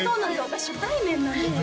私初対面なんですよ